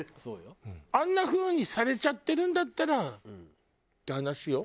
あんな風にされちゃってるんだったらって話よ。